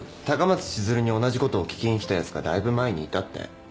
高松千鶴に同じことを聞きに来たやつがだいぶ前にいたって。